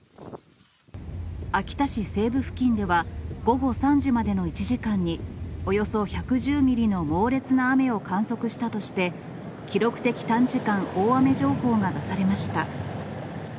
秋田市西部付近では、午後３時までの１時間に、およそ１１０ミリの猛烈な雨を観測したとして、記録的短時間大雨情報が出されました。